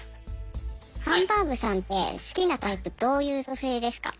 「ハンバーグさんって好きなタイプどういう女性ですか？」。